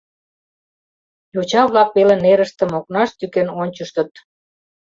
Йоча-влак веле нерыштым окнаш тӱкен ончыштыт.